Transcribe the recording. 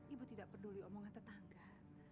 ibu tidak peduli omongan tetangga